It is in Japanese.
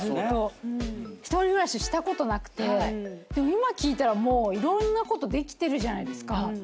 １人暮らししたことなくてでも今聞いたらいろんなことできてるじゃないですか。